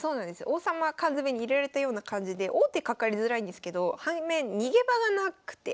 王様缶詰に入れられたような感じで王手かかりづらいんですけど反面逃げ場がなくて。